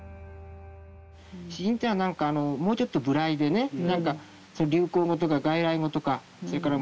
詩人というのは何かあのもうちょっと無頼でね何か流行語とか外来語とかそれから